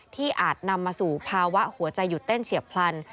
อาจนำมาสู่ภาวะหัวใจหยุดเต้นเฉียบพลัน